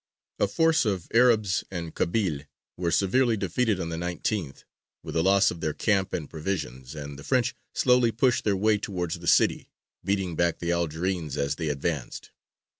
A force of Arabs and Kabyles was severely defeated on the 19th, with the loss of their camp and provisions, and the French slowly pushed their way towards the city, beating back the Algerines as they advanced.